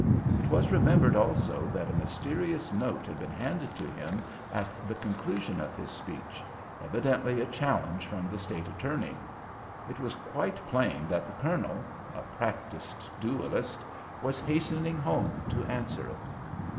It was remembered also that a mysterious note had been handed to him at the conclusion of his speech—evidently a challenge from the State Attorney. It was quite plain that the Colonel—a practised duellist—was hastening home to answer it.